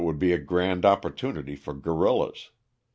49 would be a grand opportunity for guerillas.